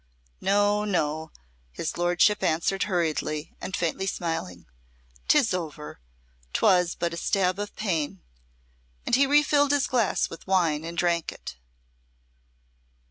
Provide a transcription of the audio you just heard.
"No! No!" his lordship answered hurriedly, and faintly smiling. "'Tis over! 'Twas but a stab of pain." And he refilled his glass with wine and drank it.